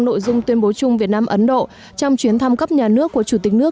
nội dung tuyên bố chung việt nam ấn độ trong chuyến thăm cấp nhà nước của chủ tịch nước